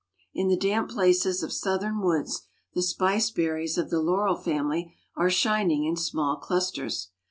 In the damp places of Southern woods the spice berries of the Laurel family are shining in small clusters.